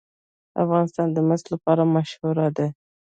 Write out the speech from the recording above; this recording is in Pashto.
افغانستان د مس لپاره مشهور دی.